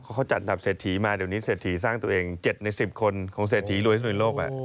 เขาจัดอันดับเศรษฐีมาเดี๋ยวนี้เศรษฐีสร้างตัวเอง๗ใน๑๐คนของเศรษฐีรวยที่สุดในโลก